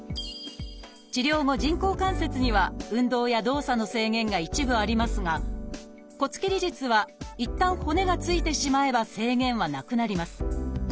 治療後人工関節には運動や動作の制限が一部ありますが骨切り術はいったん骨がついてしまえば制限はなくなります。